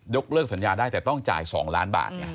เลิกสัญญาได้แต่ต้องจ่าย๒ล้านบาทไง